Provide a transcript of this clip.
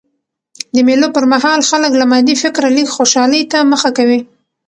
د مېلو پر مهال خلک له مادي فکره لږ خوشحالۍ ته مخه کوي.